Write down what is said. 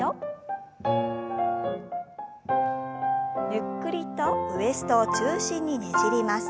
ゆっくりとウエストを中心にねじります。